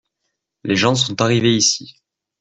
Les gens sont arrivés ici.